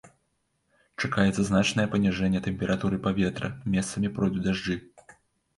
Чакаецца значнае паніжэнне тэмпературы паветра, месцамі пройдуць дажджы.